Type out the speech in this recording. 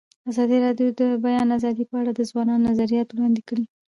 ازادي راډیو د د بیان آزادي په اړه د ځوانانو نظریات وړاندې کړي.